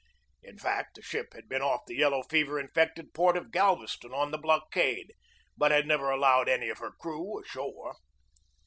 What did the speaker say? In fact, the ship had been off the yellow fever infected port of Gal veston on the blockade, but had never allowed any of her crew ashore.